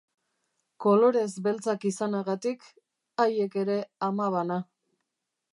Kolorez beltzak izanagatik, haiek ere ama bana.